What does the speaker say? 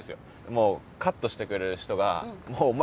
もうカットしてくれる人がもうお前